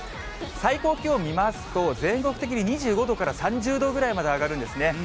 最高気温を見ますと、全国的に２５度から３０度ぐらいまで上がるんですね。